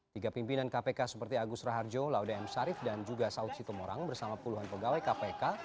tiga pimpinan kpk seperti agus raharjo lauda m sarif dan juga saud situ morang bersama puluhan pegawai kpk